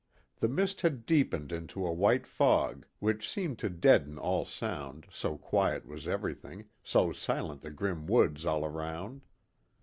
The mist had deepened into a white fog which seemed to deaden all sound, so quiet was everything, so silent the grim woods all around.